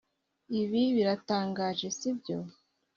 Ibi biratangaje sibyo